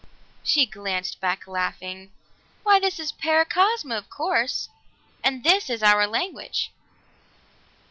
She glanced back laughing. "Why, this is Paracosma, of course, and this is our language."